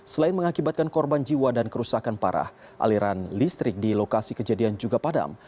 selain mengakibatkan korban jiwa dan kerusakan parah aliran listrik di lokasi kejadian juga padam